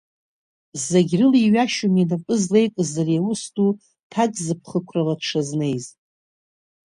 Зегь рыла иҩашьом инапы злеикыз ари аус ду ҭакзыԥхықәрала дшазнеиз.